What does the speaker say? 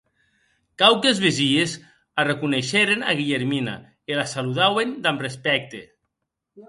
Quauques vesies arreconeisheren a Guillermina e la saludauen damb respècte.